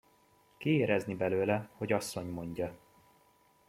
Kiérezni belőle, hogy asszony mondja.